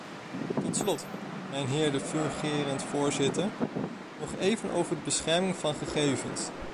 Tot slot, mijnheer de fungerend voorzitter, nog even over de bescherming van gegevens.